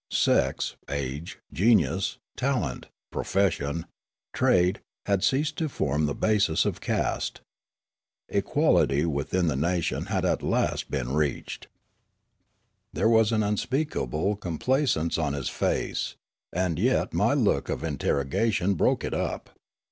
Sex, age, genius, talent, profession, trade had ceased to form the basis of caste. Equality within the nation had at last been reached." There was unspeakable complacence on his face; and 3'et my look of interrogation broke it up.